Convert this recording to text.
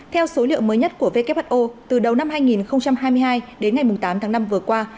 theo số liệu mới nhất của who từ đầu năm hai nghìn hai mươi hai đến ngày tám tháng năm vừa qua